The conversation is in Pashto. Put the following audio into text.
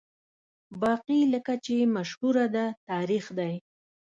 باقي لکه چې مشهوره ده، تاریخ دی.